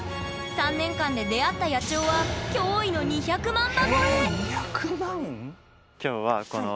３年間で出会った野鳥は驚異の２００万羽超え！